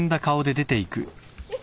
えっ？